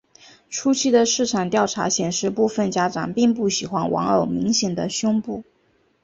初期的市场调查显示部份家长并不喜欢玩偶明显的胸部。